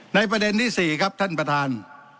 ประเด็นที่๔ครับท่านประธาน